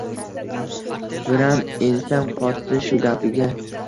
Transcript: biram ensam qotdi shu gapiga.